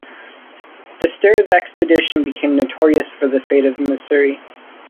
The Stairs Expedition became notorious for the fate of Msiri.